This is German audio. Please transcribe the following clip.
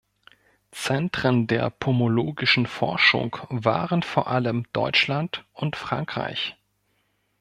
Zentren der pomologischen Forschung waren vor allem Deutschland und Frankreich.